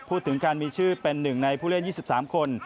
พูดถึงการมีชื่อเป็นหนึ่งในผู้เล่น๒๓คน